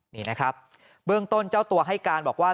นี่นะครับเบื้องต้นเจ้าตัวให้การบอกว่า